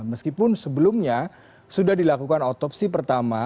meskipun sebelumnya sudah dilakukan otopsi pertama